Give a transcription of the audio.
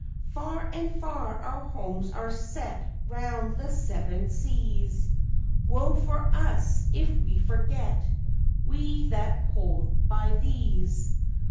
Far and far our homes are set round the Seven Seas. Woe for us if we forget, we that hold by these!